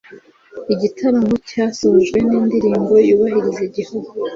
Igitaramo cyasojwe nindirimbo yubahiriza Igihugu